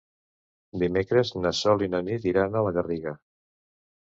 Dimecres na Sol i na Nit iran a la Garriga.